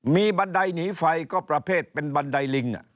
มีบันไดหนีไฟก็ประเภทเป็นบันไดลิง